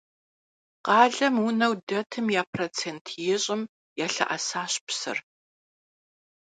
Къалэм унэу дэтым я процент ищӏым ялъэӀэсащ псыр.